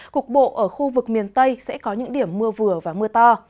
cục bộ ở khu vực miền tây sẽ có những điểm mưa vừa và mưa to